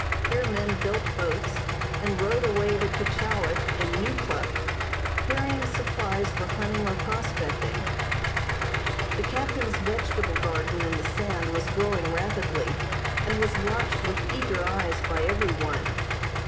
Here men built boats, and rowed away to Keechawik and Neukluk, carrying supplies for hunting or prospecting. The captain's vegetable garden in the sand was growing rapidly, and was watched with eager eyes by everyone.